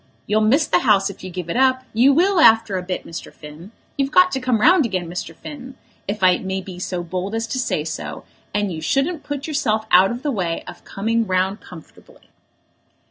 "You'll miss the House if you give it up; you will, after a bit, Mr. Finn. You've got to come round again, Mr. Finn, if I may be so bold as to say so, and you shouldn't put yourself out of the way of coming round comfortably."